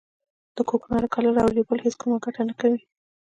د کوکنارو کرل او رېبل هیڅ کومه ګټه نه کوي